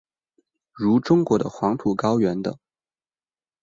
如中国的黄土高原等。